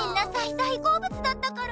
大好物だったから。